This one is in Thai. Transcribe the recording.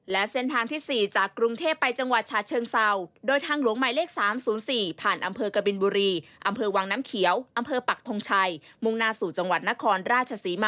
และเส้นทางที่๔จากกรุงเทพไปจังหวัดฉะเชิงเศร้าโดยทางหลวงหมายเลข๓๐๔ผ่านอำเภอกบินบุรีอำเภอวังน้ำเขียวอำเภอปักทงชัยมุ่งหน้าสู่จังหวัดนครราชศรีมา